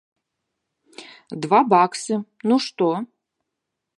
Два баксы, ну што?